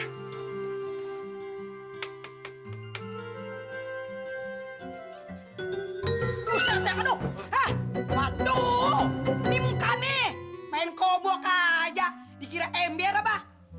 aduh sata aduh ah waduh ini mukanya main kobok aja dikira ember apa